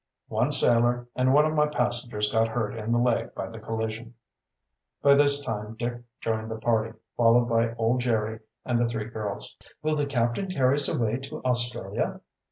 "One sailor, and one of my passengers got hurt in the leg by the collision." By this time Dick joined the party, followed by old Jerry and the three girls. "Will the captain carry us away to Australia?"